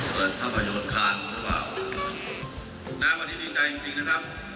เปิดท่าไปโยนคลานน้ำอาทิตย์ดีใจจริงนะครับ